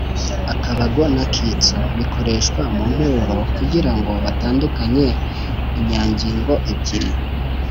akabago n‟akitso : bikoreshwa mu nteruro kugira ngo batandukanye inyangingo ebyiri